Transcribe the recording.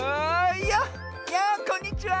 いやこんにちは！